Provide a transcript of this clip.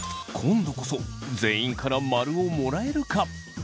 今度こそ全員からマルをもらえるか。